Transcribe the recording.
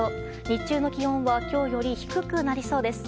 日中の気温は今日より低くなりそうです。